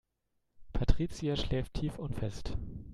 Patricia schläft tief und fest.